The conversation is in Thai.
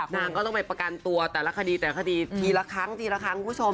นางก็ต้องไปประกันตัวแต่ละคดีแต่ละคดีทีละครั้งทีละครั้งคุณผู้ชม